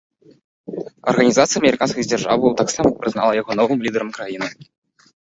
Арганізацыя амерыканскіх дзяржаў таксама прызнала яго новым лідарам краіны.